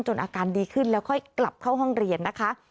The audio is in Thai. อาการดีขึ้นแล้วค่อยกลับเข้าห้องเรียนนะคะ